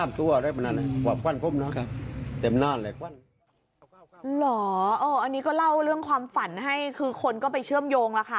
อันนี้ก็เล่าเรื่องความฝันให้คือคนก็ไปเชื่อมโยงล่ะค่ะ